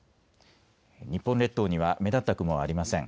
日本列島には目立った雲はありません。